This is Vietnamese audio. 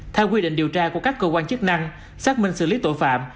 theo quy định điều tra của các cơ quan chức năng xác minh xử lý tội phạm